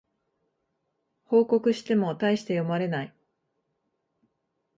報告してもたいして読まれない